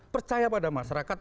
percaya pada masyarakat